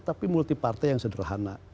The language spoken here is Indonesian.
tapi multi partai yang sederhana